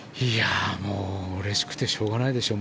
うれしくてしょうがないでしょう。